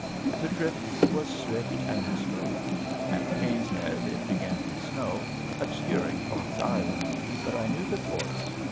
The trip was swift and smooth. At Caine's Head it began to snow, obscuring Fox Island, but I knew the course.